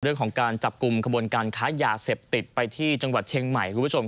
เรื่องของการจับกลุ่มขบวนการค้ายาเสพติดไปที่จังหวัดเชียงใหม่คุณผู้ชม